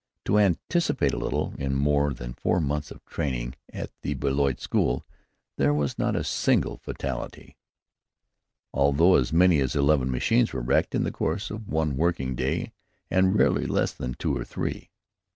To anticipate a little, in more than four months of training at the Blériot school there was not a single fatality, although as many as eleven machines were wrecked in the course of one working day, and rarely less than two or three.